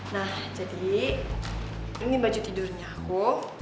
nah jadi ini baju tidurnya aku